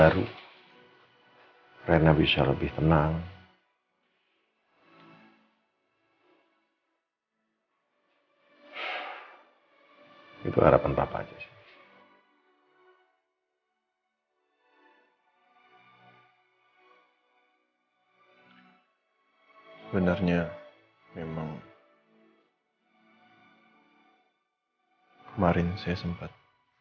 kemarin saya sempat